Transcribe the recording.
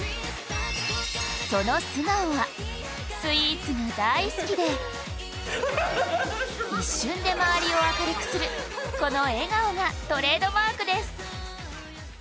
その素顔はスイーツが大好きで一瞬で周りを明るくする、この笑顔がトレードマークです。